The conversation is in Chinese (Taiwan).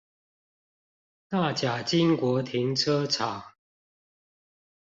大甲經國停車場